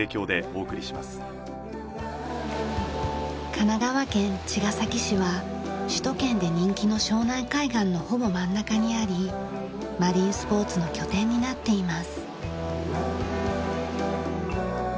神奈川県茅ヶ崎市は首都圏で人気の湘南海岸のほぼ真ん中にありマリンスポーツの拠点になっています。